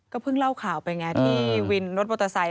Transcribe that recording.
ก็เพิ่งเล่าข่าวไปไงที่วินนท์โน้ตโปรตไซค์